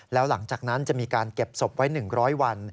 แล้วหลังจากนั้นจะมีการเก็บศพไว้๑๐๐วัน